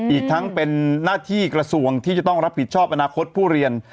อีกทั้งเป็นหน้าที่กระทรวงที่จะต้องรับผิดชอบอนาคตผู้เรียน